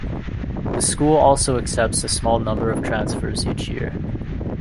The school also accepts a small number of transfers each year.